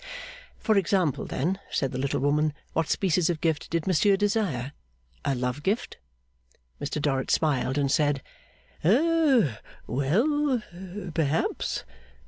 For example, then, said the little woman, what species of gift did Monsieur desire? A love gift? Mr Dorrit smiled, and said, Eh, well! Perhaps.